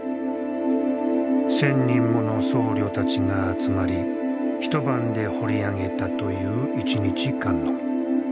１，０００人もの僧侶たちが集まり一晩で彫り上げたという一日観音。